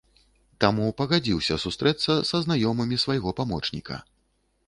Таму пагадзіўся сустрэцца са знаёмымі свайго памочніка.